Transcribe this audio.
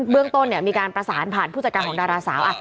เรื่องต้นมีการประสานผ่านผู้จัดการของดาราสาว